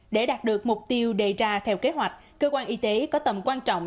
để đạt được mục tiêu đề ra theo kế hoạch cơ quan y tế có tầm quan trọng